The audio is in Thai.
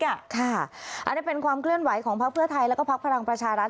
อันนี้เป็นความเคลื่อนไหวของพักเพื่อไทยแล้วก็พักพลังประชารัฐ